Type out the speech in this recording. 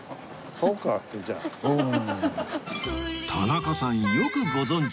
田中さんよくご存じで